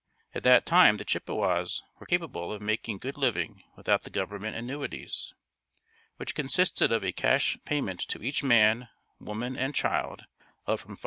At that time the Chippewas were capable of making good living without the Government annuities, which consisted of a cash payment to each man, woman and child of from $5.